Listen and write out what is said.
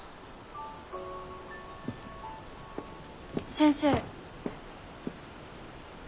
先生。